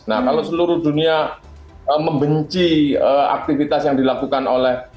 nah kalau seluruh dunia membenci aktivitas yang dilakukan oleh